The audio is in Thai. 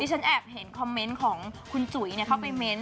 ฉันแอบเห็นคอมเมนต์ของคุณจุ๋ยเข้าไปเม้นต